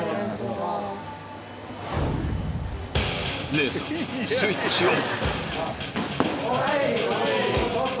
姉さんスイッチオン！